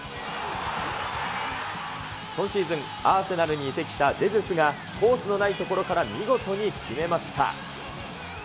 今シーズン、アーセナルに移籍したジェズスがコースのない所から、見事に決めました。